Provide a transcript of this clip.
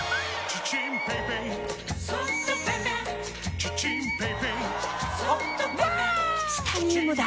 チタニウムだ！